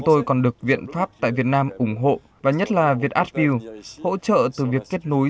tôi còn được viện pháp tại việt nam ủng hộ và nhất là việt art view hỗ trợ từ việc kết nối